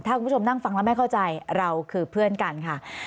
ถ้าคุณผู้ชมนั่งฟังแล้วไม่เข้าใจเราคือเพื่อนกันค่ะ